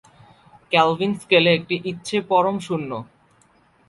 Kelvin স্কেলে একটি হচ্ছে পরম শূন্য।